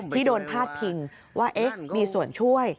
ที่โดนพาดพิงว่ามีส่วนช่วย